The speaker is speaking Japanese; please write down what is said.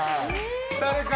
誰か！